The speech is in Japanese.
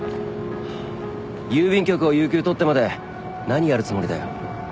郵便局を有休取ってまで何やるつもりだよ？